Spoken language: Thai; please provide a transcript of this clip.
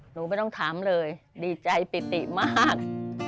หนูไม่ต้องถามเลยดีใจปิติมาก